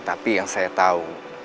tapi yang saya tahu